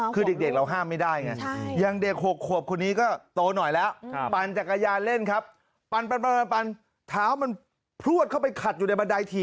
คือเรื่องเด็กเราห้ามไม่ได้